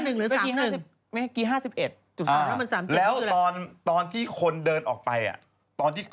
เมื่อกี้๕๑๓แล้วมัน๓๓คืออะไรแสดงว่าแล้วตอนที่คนเดินออกไป